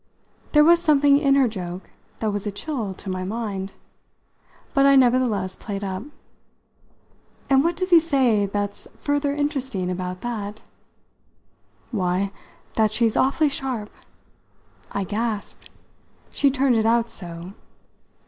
There was something in her joke that was a chill to my mind; but I nevertheless played up. "And what does he say that's further interesting about that?" "Why, that she's awfully sharp." I gasped she turned it out so.